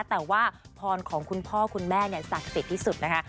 แต่ว่าพรของคุณพ่อคุณแม่เนี่ยศักดิ์เสร็จที่สุดนะคะ